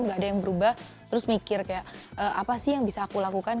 gak ada yang berubah terus mikir kayak apa sih yang bisa aku lakukan